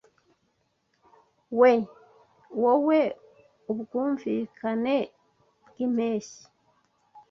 We. Wowe ubwumvikane bwimpeshyi